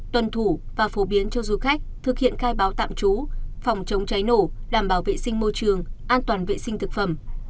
tuân thủ và phổ biến cho du khách thực hiện khai báo tạm trú phòng chống cháy nổ đảm bảo vệ sinh môi trường an toàn vệ sinh thực phẩm